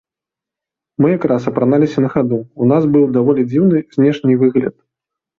Мы як раз апраналіся на хаду, у нас быў даволі дзіўны знешні выгляд.